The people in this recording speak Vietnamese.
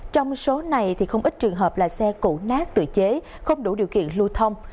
trong số này không ít trường hợp là xe củ nát tự chế không đủ điều kiện lưu thông